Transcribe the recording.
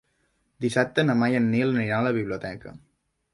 Dissabte na Mar i en Nil aniran a la biblioteca.